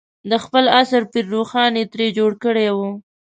د خپل عصر پير روښان یې ترې جوړ کړی و.